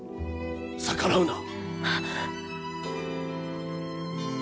逆らうな！